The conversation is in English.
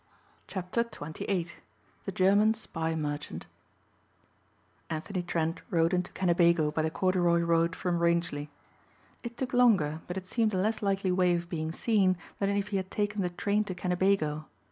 CHAPTER XXVIII THE GERMAN SPY MERCHANT ANTHONY TRENT rode into Kennebago by the corduroy road from Rangely. It took longer but it seemed a less likely way of being seen than if he had taken the train to Kennebago.